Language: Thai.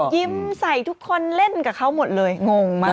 ยิ้มใส่ทุกคนเล่นกับเขาหมดเลยงงมาก